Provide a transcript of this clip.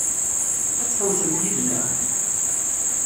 Ad tḥewwsemt yid-neɣ?